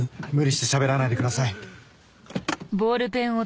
無理して喋らないでください。